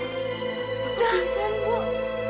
saya sudah pingsan